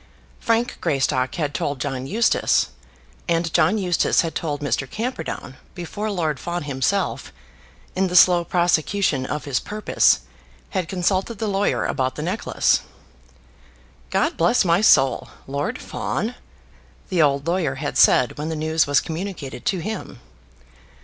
Frank Greystock had told John Eustace, and John Eustace had told Mr. Camperdown before Lord Fawn himself, in the slow prosecution of his purpose, had consulted the lawyer about the necklace. "God bless my soul; Lord Fawn!" the old lawyer had said when the news was communicated to him.